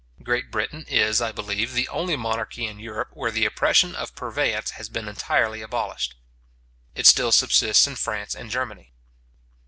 Great Britain is, I believe, the only monarchy in Europe where the oppression of purveyance has been entirely abolished. It still subsists in France and Germany.